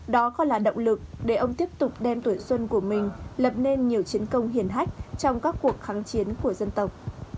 đó còn là động lực để ông tiếp tục đem tuổi xuân của mình lập nên nhiều chiến công hiển hách trong các cuộc kháng chiến của dân tộc